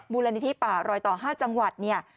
มูลนิธิป่ารอยต่อ๕จังหวัดเนี่ย